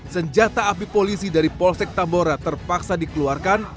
senjata api polisi dari polsek tambora terpaksa dikeluarkan